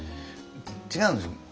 違うんですよ。